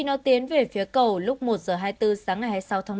ở phía cầu lúc một h hai mươi bốn sáng ngày hai mươi sáu tháng ba